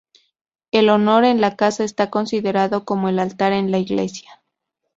El horno en la casa está considerado como el altar en la iglesia.